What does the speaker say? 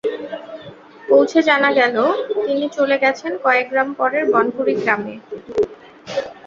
পৌঁছে জানা গেল, তিনি চলে গেছেন কয়েক গ্রাম পরের বনকুড়ি গ্রামে।